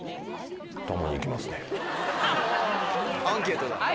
アンケートだ。